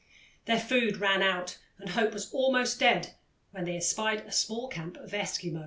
Their food ran out and hope was almost dead, when they espied a small camp of Eskimo.